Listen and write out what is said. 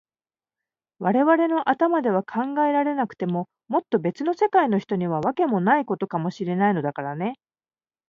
われわれの頭では考えられなくても、もっとべつの世界の人には、わけもないことかもしれないのだからね。